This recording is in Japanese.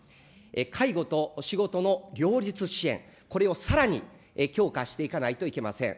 介護と仕事の両立支援、これをさらに強化していかないといけません。